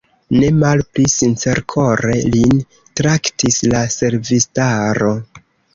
Ne malpli sincerkore lin traktis la servistaro.